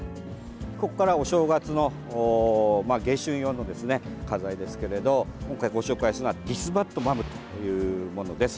ここからお正月の迎春用の花材ですけれど今回ご紹介するのはディスバッドマムというものです。